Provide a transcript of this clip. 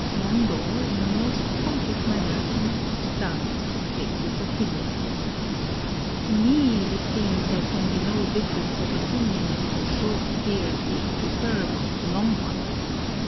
Mondo in a most pompous manner commenced thus to state his opinion: "To me it seems there can be no difference of opinion as to short spears being preferable to long ones.